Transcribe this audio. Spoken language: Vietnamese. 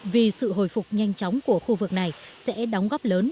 vì sự hồi phục nhanh chóng của khu vực này sẽ đóng góp lớn